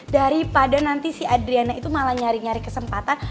daripada nanti si adriana itu malah nyari nyari kesempatan